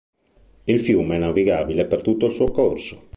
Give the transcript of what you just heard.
Il fiume è navigabile per tutto il suo corso.